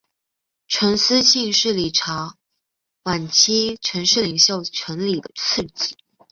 陈嗣庆是李朝晚期陈氏领袖陈李的次子。